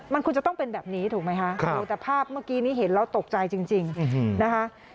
มันควรจะต้องเป็นแบบนี้ถูกไหมคะแต่ภาพเมื่อกี้นี้เห็นแล้วตกใจจริงนะคะ